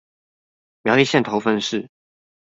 苗栗縣頭份市